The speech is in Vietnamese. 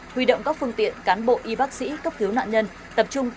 huy động các phương tiện cán bộ y bác sĩ cấp thiếu nạn nhân